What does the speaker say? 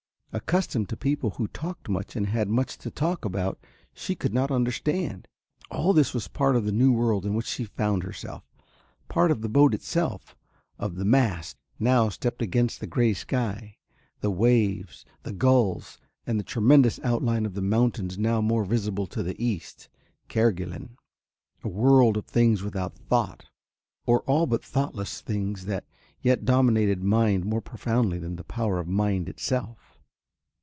Accustomed to people who talked much and had much to talk about she could not understand. All this was part of the new world in which she found herself, part of the boat itself, of the mast, now stepped against the grey sky, the waves, the gulls, and that tremendous outline of mountains now more visible to the east Kerguelen. A world of things without thought, or all but thoughtless, things that, yet, dominated mind more profoundly than the power of mind itself.